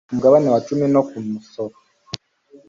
ku mugabane wa cumi no ku musoro